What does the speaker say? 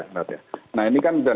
nah ini kan